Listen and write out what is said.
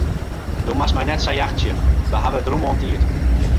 Do moatst my net sa jachtsje, we hawwe it rûm oan tiid.